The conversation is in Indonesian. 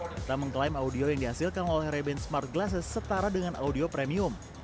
kita mengklaim audio yang dihasilkan oleh reben smart glasses setara dengan audio premium